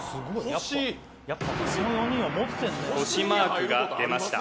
★マークが出ました